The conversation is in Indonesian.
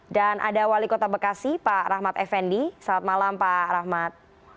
dan ada wali kota bekasi pak rahmat effendi selamat malam pak rahmat